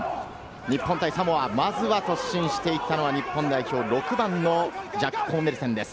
日本対サモア、まずは突進して行ったのは日本代表、６番のジャック・コーネルセンです。